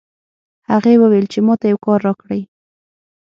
هغې وویل چې ما ته یو کار راکړئ